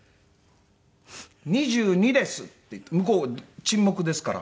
「２２です！」って向こう沈黙ですから。